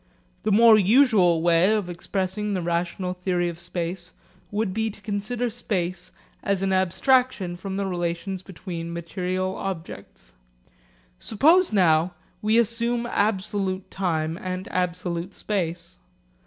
The more usual way of expressing the relational theory of space would be to consider space as an abstraction from the relations between material objects. Suppose now we assume absolute time and absolute space.